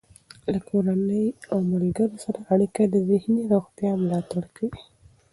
له کورنۍ او ملګرو سره اړیکه د ذهني روغتیا ملاتړ کوي.